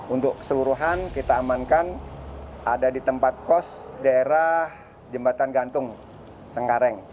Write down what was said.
untuk keseluruhan kita amankan ada di tempat kos daerah jembatan gantung cengkareng